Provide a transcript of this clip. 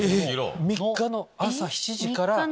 ３日の朝７時から。